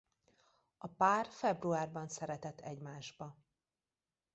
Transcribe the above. A pár februárban szeretett egymásba.